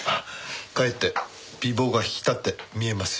かえって美貌が引き立って見えますよ。